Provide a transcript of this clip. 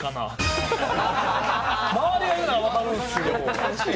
周りが言うのは分かるんですけど。